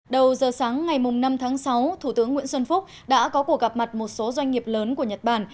đầu giờ sáng ngày năm tháng sáu thủ tướng nguyễn xuân phúc đã có cuộc gặp mặt một số doanh nghiệp lớn của nhật bản